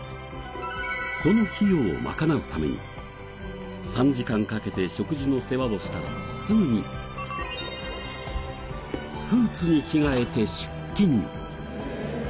その費用を賄うために３時間かけて食事の世話をしたらすぐにスーツに着替えて出勤。